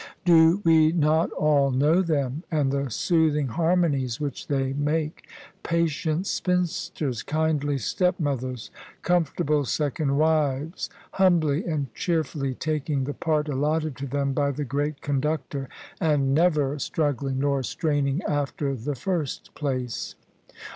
Do we not all know them and the soothing harmonies which they make — ^patient spinsters, kindly stepmothers, comfort able second wives; humbly and cheerfully taking the part allotted to them by the Great Conductor, and never strug gling nor straining after the first place?